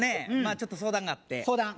ちょっと相談があって相談？